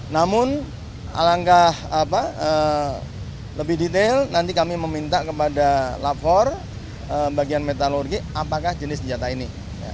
namun alangkah lebih detail nanti kami meminta kepada lapor bagian metalurgi apakah jenis senjata ini